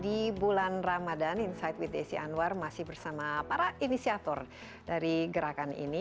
di bulan ramadan insight with desi anwar masih bersama para inisiator dari gerakan ini